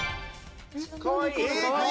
かわいい。